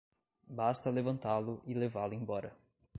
Basta levantá-lo e levá-lo embora.